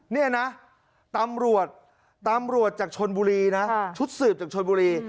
นี่นะตำรวจตำรวจจากชนบุรีนะชุดสืบจากชนบุรี